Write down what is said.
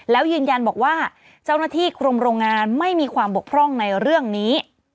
แล้วยืนยันบอกว่าเจ้าหน้าที่กรมโรงงานไม่มีความบกพร่องในเรื่องนี้